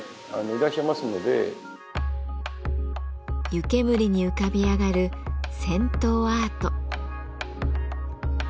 湯煙に浮かび上がる銭湯アート。